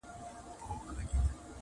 یوه ږغ کړه چي ګوربت ظالم مرغه دی،